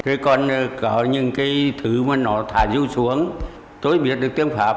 thế còn có những cái thứ mà nó thả du xuống tôi biết được tiếng pháp